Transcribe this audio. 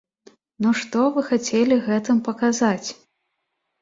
Ну што вы хацелі гэтым паказаць?!